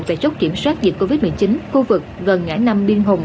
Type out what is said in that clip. tại chốc kiểm soát dịch covid một mươi chín khu vực gần ngãi năm biên hùng